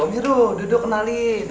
om heru duduk kenalin